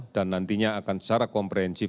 dan nantinya akan secara komprehensif